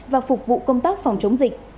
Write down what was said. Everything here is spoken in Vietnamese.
và phục vụ công tác phòng chống dịch